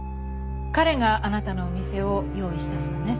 彼があなたのお店を用意したそうね。